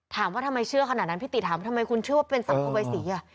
ถามว่าทำไมเชื่อขนาดนั้นพี่ติถามทำไมคุณเชื่อว่าเป็นสัมภเวษีอ่ะ